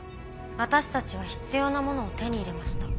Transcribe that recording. ⁉私たちは必要なものを手に入れました。